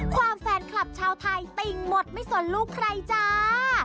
แฟนคลับชาวไทยติ่งหมดไม่สนลูกใครจ้า